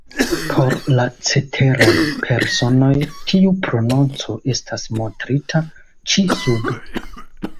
Por la ceteraj personoj, tiu prononco estas montrita ĉi sube.